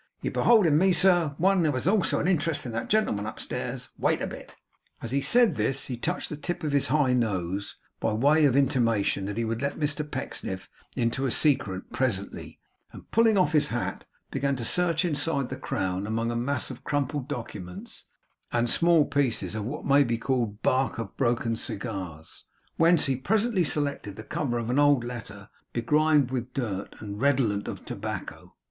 'You behold in me, sir, one who has also an interest in that gentleman upstairs. Wait a bit.' As he said this, he touched the tip of his high nose, by way of intimation that he would let Mr Pecksniff into a secret presently; and pulling off his hat, began to search inside the crown among a mass of crumpled documents and small pieces of what may be called the bark of broken cigars; whence he presently selected the cover of an old letter, begrimed with dirt and redolent of tobacco.